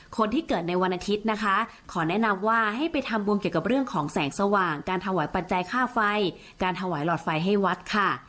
คนที่เกิดในวันอาทิตย์นะคะขอแนะนำว่าให้ไปทำบุญเกี่ยวกับเรื่องของแสงสว่างการถวายปัจจัยค่าไฟการถวายหลอดไฟให้วัดค่ะ